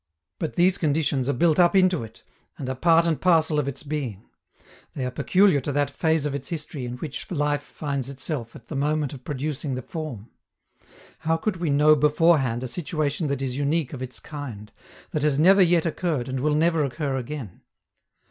But these conditions are built up into it and are part and parcel of its being; they are peculiar to that phase of its history in which life finds itself at the moment of producing the form: how could we know beforehand a situation that is unique of its kind, that has never yet occurred and will never occur again?